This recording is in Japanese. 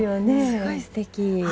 すごいすてき！